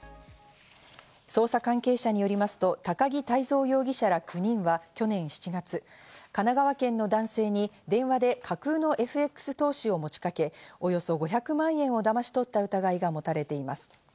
捜査関係者によりますと高木汰以蔵容疑者ら９人は去年７月、神奈川県の男性に電話で架空のＦＸ投資を持ちかけ、およそ５００万円をだまし取った疑いがもたれています。